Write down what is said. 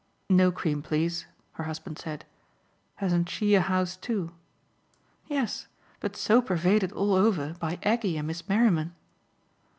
"No cream, please," her husband said. "Hasn't she a house too?" "Yes, but so pervaded all over by Aggie and Miss Merriman."